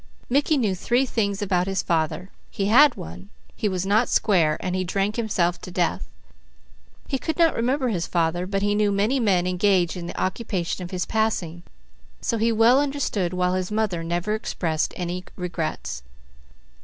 Mickey knew three things about his father: he had had one, he was not square, and he drank himself to death. He could not remember his father, but he knew many men engaged in the occupation of his passing, so he well understood why his mother never expressed any regrets.